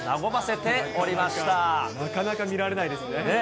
なかなか見られないですね。